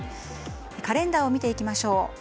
カレンダーを見ていきましょう。